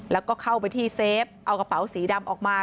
แล้วก็เข้าไปที่เซฟเอากระเป๋าสีดำออกมา